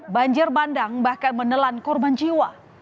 banjir bandang bahkan menelan korban jiwa